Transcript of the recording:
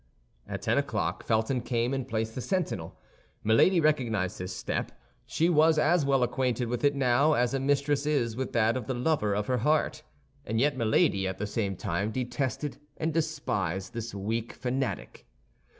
At ten o'clock Felton came and placed the sentinel. Milady recognized his step. She was as well acquainted with it now as a mistress is with that of the lover of her heart; and yet Milady at the same time detested and despised this weak fanatic.